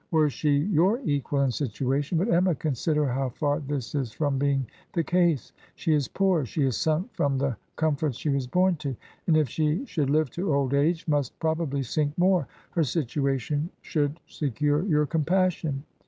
... Were she your equal in situation — but, Emma, consider how far this is from being the easel She is poor ; she is sunk from the com forts she was bom to; and if she should live to old age must probably sink more. Her situation should secure your compassion.